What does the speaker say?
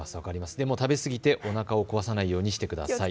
でも食べ過ぎておなかを壊さないように気をつけてください。